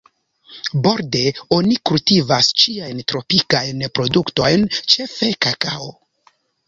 Borde oni kultivas ĉiajn tropikajn produktojn, ĉefe kakao.